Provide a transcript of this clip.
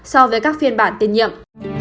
so với các phiên bản tiên nhiệm